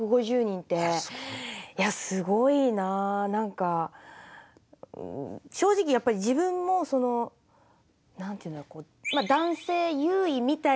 何か正直やっぱり自分もその何て言うんだろう？